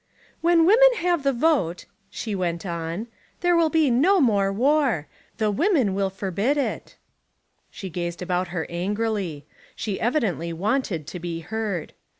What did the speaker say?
"When women have the vote," she went on, 139 Essays and Literary Studies "there will be no more war. The women will forbid it." She gazed about her angrily. She evidently wanted to be heard.